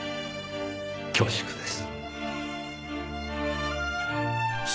恐縮です。